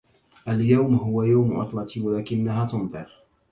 اليوم هو يوم عطلتي و لكنّها تمطر.